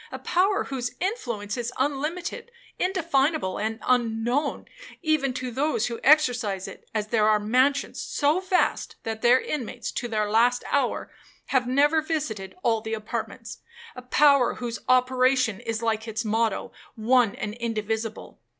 A power whose influence is unlimited, indefinable, and unknown, even to those who exercise it, as there are mansions so vast, that their inmates, to their last hour, have never visited all the apartments;—a power whose operation is like its motto,—one and indivisible.